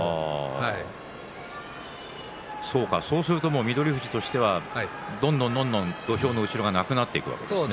そうすると翠富士は土俵の後ろがなくなっていくわけですね。